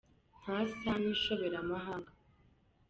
Ntasa n’inshoberamahanga